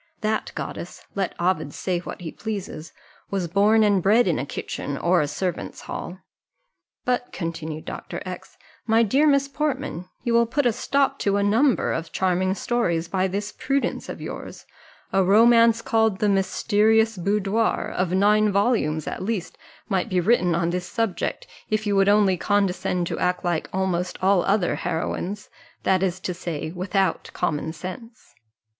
That goddess (let Ovid say what he pleases) was born and bred in a kitchen, or a servants' hall. But," continued Dr. X , "my dear Miss Portman, you will put a stop to a number of charming stories by this prudence of yours a romance called the Mysterious Boudoir, of nine volumes at least, might be written on this subject, if you would only condescend to act like almost all other heroines, that is to say, without common sense."